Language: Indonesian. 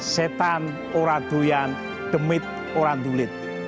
setan orang doyan demit orang dulit